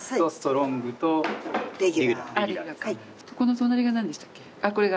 この隣が何でしたっけ？